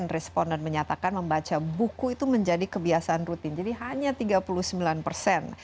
responden menyatakan membaca buku itu menjadi kebiasaan rutin jadi hanya tiga puluh sembilan persen